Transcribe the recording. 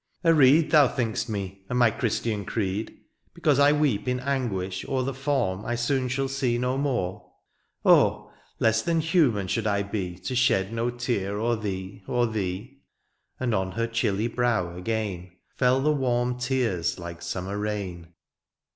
^^ A reed ^^ Thou think'st me, and my Christian creed, ^^ Because I weep in anguish o'er ^^ The form I soon shall see no more :^^ Oh ! less than human should I be, ^^ To shed no tear o'er thee, o'er thee !" And on her chilly brow, again Fell the warm tears like simimer rain.